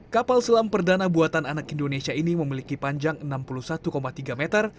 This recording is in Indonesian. kapal selam perdana buatan anak indonesia ini memiliki panjang enam puluh satu tiga meter